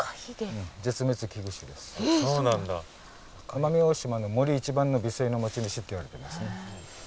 奄美大島の森一番の美声の持ち主っていわれてますね。